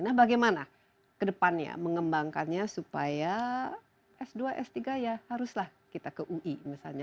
nah bagaimana kedepannya mengembangkannya supaya s dua s tiga ya haruslah kita ke ui misalnya